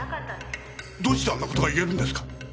どうしてあんな事が言えるんですか？